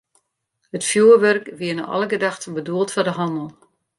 It fjoerwurk wie nei alle gedachten bedoeld foar de hannel.